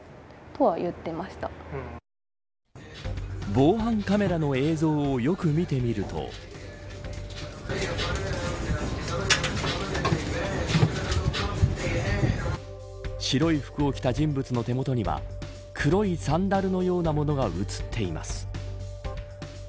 防犯カメラの映像をよく見てみると白い服を着た人物の手元には黒いサンダルのようなものが映っています。